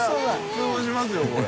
通報しますよこれ。